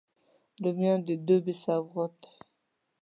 رومیان د دوبي سوغات دي